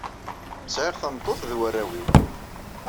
Sɛiɣ tameṭṭut ed warraw-inu.